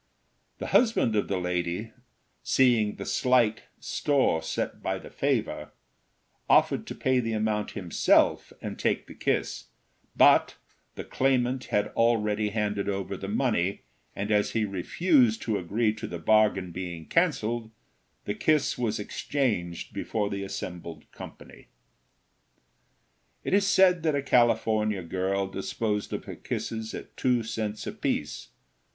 The husband of the lady, seeing the slight store set by the favor, offered to pay the amount himself and take the kiss; but the claimant had already handed over the money, and as he refused to agree to the bargain being canceled, the kiss was exchanged before the assembled company. It is said that a California girl disposed of her kisses at two cents apiece.